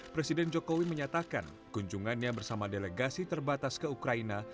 presiden jokowi menyatakan kunjungannya bersama delegasi terbatas ke ukraina